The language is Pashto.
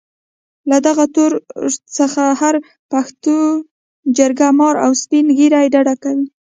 له دغه تور څخه هر پښتون جرګه مار او سپين ږيري ډډه کوي.